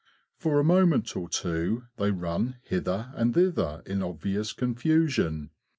For a moment or two they run hither and thither in obvious confusion.